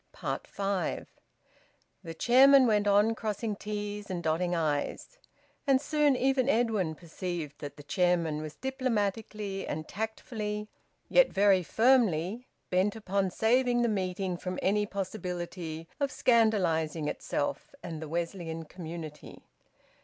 FIVE. The chairman went on crossing t's and dotting i's. And soon even Edwin perceived that the chairman was diplomatically and tactfully, yet very firmly, bent upon saving the meeting from any possibility of scandalising itself and the Wesleyan community.